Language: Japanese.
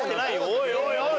おいおいおい！